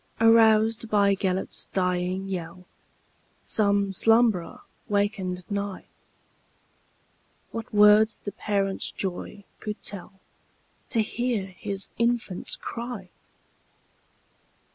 Aroused by Gêlert's dying yell, Some slumberer wakened nigh:What words the parent's joy could tellTo hear his infant's cry!